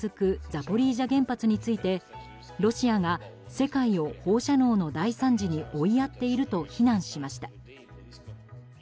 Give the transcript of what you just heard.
ザポリージャ原発についてロシアが世界を放射能の大惨事に追いやっていると非難しました。